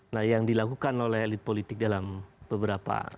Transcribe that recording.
nah yang dilakukan oleh elit politik dalam beberapa